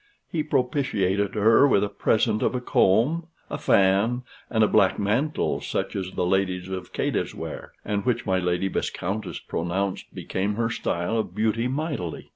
He propitiated her with a present of a comb, a fan, and a black mantle, such as the ladies of Cadiz wear, and which my Lady Viscountess pronounced became her style of beauty mightily.